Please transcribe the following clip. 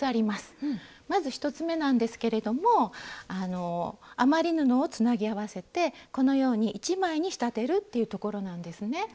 まず１つめなんですけれども余り布をつなぎ合わせてこのように１枚に仕立てるっていうところなんですね。